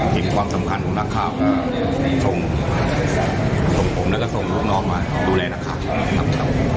ส่งผมแล้วก็ส่งลูกนอกมาดูแลนะครับครับท่าน